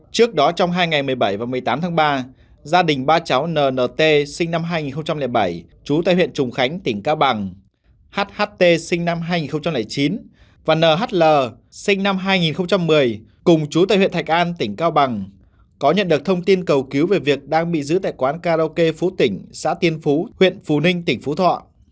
trước đó trong hai ngày một mươi bảy và một mươi tám tháng ba gia đình ba cháu nnt sinh năm hai nghìn bảy chú tại huyện trùng khánh tỉnh cao bằng hht sinh năm hai nghìn chín và nhl sinh năm hai nghìn một mươi cùng chú tại huyện thạch an tỉnh cao bằng có nhận được thông tin cầu cứu về việc đang bị giữ tại quán karaoke phú tỉnh xã tiên phú huyện phú ninh tỉnh phú thọ